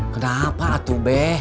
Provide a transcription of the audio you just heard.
kenapa atuh be